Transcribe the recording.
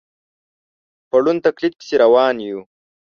په ړوند تقلید پسې روان یو.